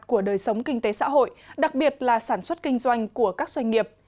của đời sống kinh tế xã hội đặc biệt là sản xuất kinh doanh của các doanh nghiệp